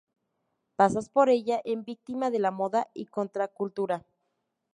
Pasas por ella en Victima de la moda y Contracultura.